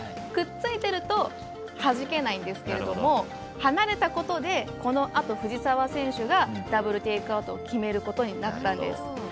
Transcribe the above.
くっついてるとはじけないんですけれども離れたことでこのあと藤澤選手がダブル・テイクアウトを決めることになったんです。